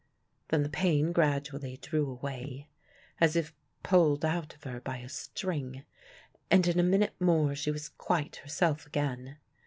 Then the pain gradually drew away, as if pulled out of her by a string, and in a minute more she was quite herself again.